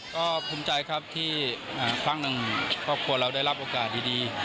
ก็ภูมิใจครับที่ครั้งหนึ่งครอบครัวเราได้รับโอกาสดี